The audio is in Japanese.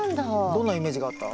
どんなイメージがあった？